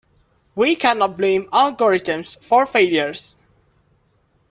We cannot blame algorithms for failures.